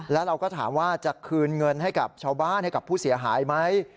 แล้วเราก็ถามว่าจะคืนเงินให้กับชาวบ้านให้กับผู้เสียหายไหม